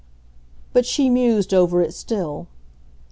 But she mused over it still.